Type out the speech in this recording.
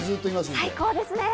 最高です。